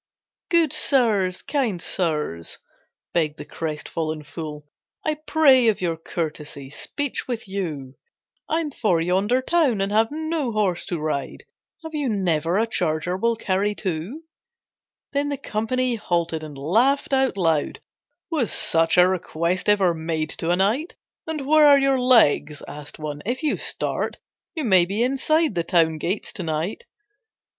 "Good Sirs, Kind Sirs," begged the crestfallen fool, "I pray of your courtesy speech with you, I'm for yonder town, and have no horse to ride, Have you never a charger will carry two?" Then the company halted and laughed out loud. "Was such a request ever made to a knight?" "And where are your legs," asked one, "if you start, You may be inside the town gates to night."